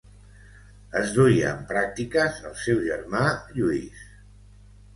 Es duia en pràctiques el seu germà Lluís.